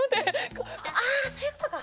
あそういうことか。